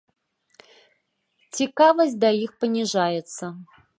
Цікавасць да іх паніжаецца.